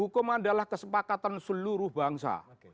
hukum adalah kesepakatan seluruh bangsa